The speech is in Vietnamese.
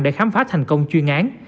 để khám phá thành công chuyên án